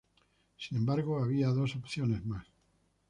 Sin embargo había dos opciones más.